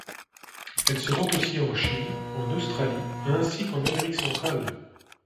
Elle se vend aussi en Chine, en Australie ainsi qu'en Amerique centrale.